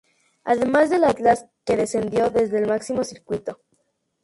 Además del Atlas que descendió desde el máximo circuito.